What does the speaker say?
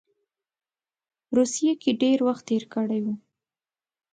روسیې کې ډېر وخت تېر کړی وو.